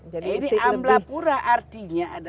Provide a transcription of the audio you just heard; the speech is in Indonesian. jadi amblapura artinya